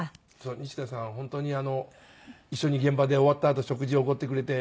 西田さんは本当に一緒に現場で終わったあと食事をおごってくれて。